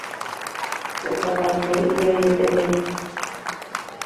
Che sapatu ivaieterei.